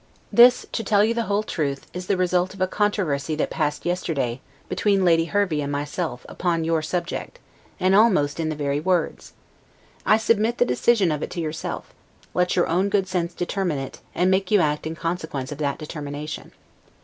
This (to tell you the whole truth) is the result of a controversy that passed yesterday, between Lady Hervey and myself, upon your subject, and almost in the very words. I submit the decision of it to yourself; let your own good sense determine it, and make you act in consequence of that determination.